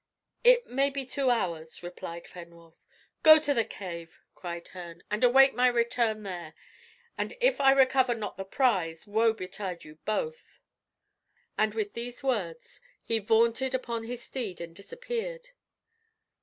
"It may be two hours," replied Fenwolf. "Go to the cave," cried Herne, "and await my return there; and if I recover not the prize, woe betide you both!" And with these words, he vaunted upon his steed and disappeared.